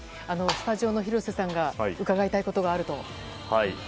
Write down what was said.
スタジオの廣瀬さんが伺いたいことがあると。